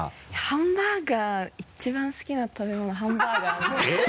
ハンバーガー一番好きな食べ物ハンバーガーです。